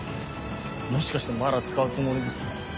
もしかしてまだ使うつもりですか？